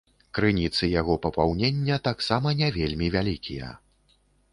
Крыніцы яго папаўнення таксама не вельмі вялікія.